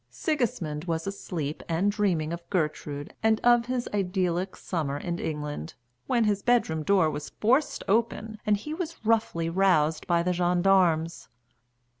Sigismund was asleep and dreaming of Gertrude and of his idyllic summer in England, when his bedroom door was forced open and he was roughly roused by the gendarmes.